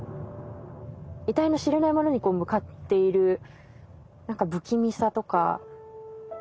えたいの知れないものに向かっている何か不気味さとかうん。